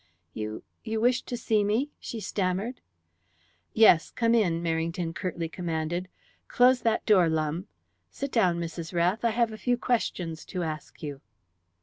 "You you wished to see me?" she stammered. "Yes. Come in." Merrington curtly commanded. "Close that door, Lumbe. Sit down, Mrs. Rath, I have a few questions to ask you."